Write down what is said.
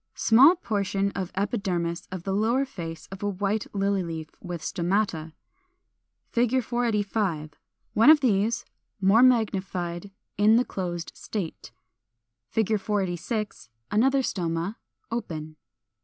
484. Small portion of epidermis of the lower face of a White Lily leaf, with stomata.] [Illustration: Fig. 485. One of these, more magnified, in the closed state. 486. Another stoma, open.